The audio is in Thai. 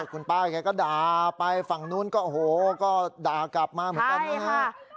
คุณป้าไอ้ไก่ก็ด่าไปฝั่งนู้นก็โห้ก็ด่ากลับมาเหมือนกัน